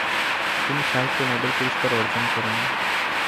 তিনি সাহিত্যে নোবেল পুরস্কার অর্জন করেন।